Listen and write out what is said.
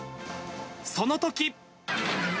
そのとき。